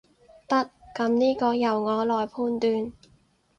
得，噉呢個由我來判斷